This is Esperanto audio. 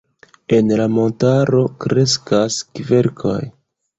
En la montaro kreskas kverkoj.